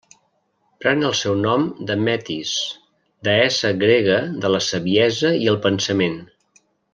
Pren el seu nom de Metis, deessa grega de la saviesa i el pensament.